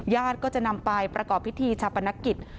ก็จะนำไปประกอบพิธีชาปนกิจ